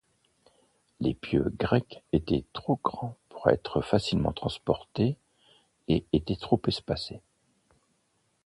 Les pieux grecs étaient trop grands pour être facilement transportés et étaient trop espacés.